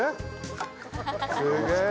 すげえ。